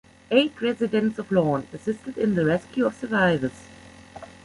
Eight residents of Lawn assisted in the rescue of survivors.